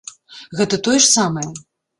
Гэта тое ж самае.